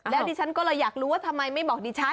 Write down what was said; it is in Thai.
แล้วดิฉันก็เลยอยากรู้ว่าทำไมไม่บอกดิฉัน